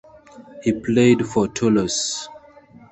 He played for Toulouse.